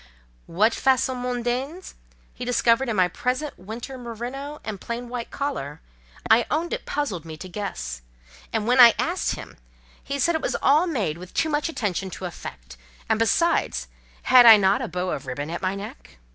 What "façons mondaines" he discovered in my present winter merino and plain white collar, I own it puzzled me to guess: and when I asked him, he said it was all made with too much attention to effect—and besides, "had I not a bow of ribbon at my neck?"